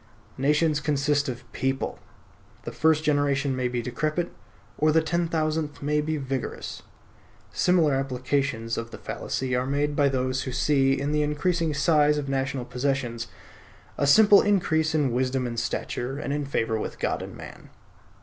Nations consist of people; the first generation may be decrepit, or the ten thousandth may be vigorous. Similar applications of the fallacy are made by those who see in the increasing size of national possessions, a simple increase in wisdom and stature, and in favor with God and man.